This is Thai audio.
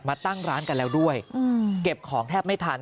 ตั้งร้านกันแล้วด้วยเก็บของแทบไม่ทัน